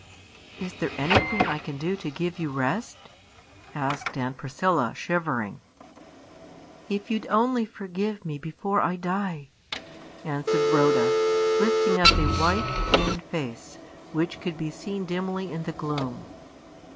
"Is there anything I can do to give you rest?" asked Aunt Priscilla, shivering. "If you'd only forgive me before I die!" answered Rhoda, lifting up a white, thin face, which could be seen dimly in the gloom.